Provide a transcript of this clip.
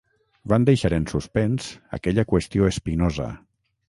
Van deixar en suspens aquella qüestió espinosa.